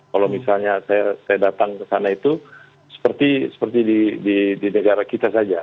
kalau misalnya saya datang ke sana itu seperti di negara kita saja